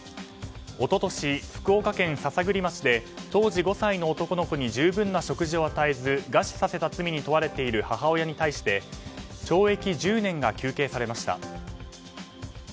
一昨年、福岡県篠栗町で当時５歳の男の子に十分な食事を与えず餓死させた罪に問われている母親に対して懲役１０年が求刑されました。